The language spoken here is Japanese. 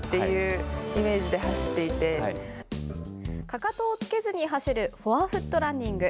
かかとをつけずに走るフォアフットランニング。